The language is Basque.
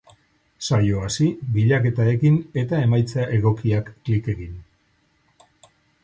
Saio hasi, bilaketa egin eta emaitza egokiak klik egin.